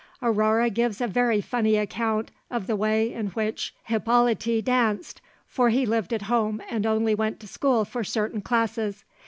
Aurore gives a very funny account of the way in which Hippolyte danced, for he lived at home and only went to school for certain classes.